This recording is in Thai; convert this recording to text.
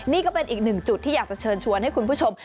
นี่ก็เป็นอีกหนึ่งจุดที่อยากจะเชิญชวนให้คุณผู้ชม